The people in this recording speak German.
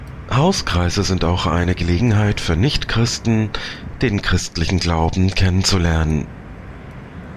Hauskreise sind auch eine Gelegenheit für Nichtchristen, den christlichen Glauben kennenzulernen.